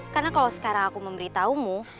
karena kalau sekarang aku memberitahumu